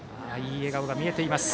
いい笑顔が見えています。